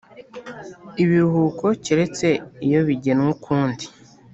ibiruhuko keretse iyo bigenwe ukundi